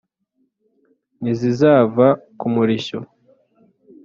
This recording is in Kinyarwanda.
ntizizava ku murishyo.